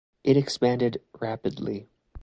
It expanded rapidly.